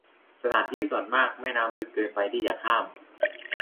สถานที่ส่วนมาก แม่น้ำลึกเกินไปที่จะข้าม